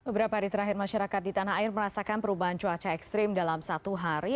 beberapa hari terakhir masyarakat di tanah air merasakan perubahan cuaca ekstrim dalam satu hari